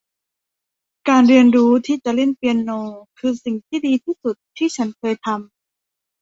การเรียนรู้ที่จะเล่นเปียโน คือสิ่งที่ดีที่สุดที่ฉันเคยทำ